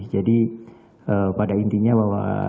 jadi pada intinya bahwa